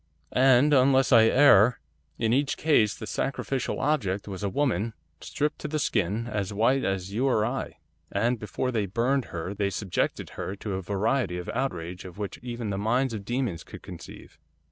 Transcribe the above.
And, unless I err, in each case the sacrificial object was a woman, stripped to the skin, as white as you or I, and before they burned her they subjected her to every variety of outrage of which even the minds of demons could conceive.